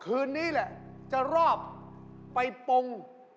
คืนนี้แหละจะรอบไปปง